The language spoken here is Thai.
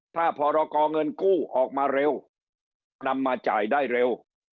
ถ้าพรกรเงินกู้ออกมาเร็วนำมาจ่ายได้เร็ว